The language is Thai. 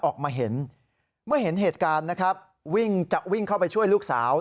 ออกมาเห็นเมื่อเห็นเหตุการณ์นะครับวิ่งจะวิ่งเข้าไปช่วยลูกสาว